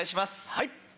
はい！